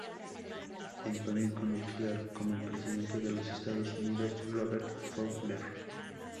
En "Pánico nuclear" como el presidente de los Estados Unidos, Robert Fowler.